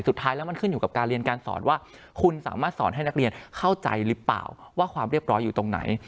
สุดท้ายแล้วมันขึ้นอยู่กับการเรียนการสอนว่าคุณสามารถสอนให้นักเรียนเข้าใจหรือเปล่าว่าความเรียบร้อยอยู่ตรงไหน